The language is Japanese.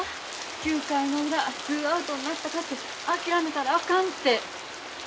９回の裏ツーアウトになったかて諦めたらあかんて。